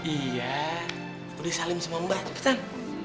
iya boleh salim sama mbak cepetan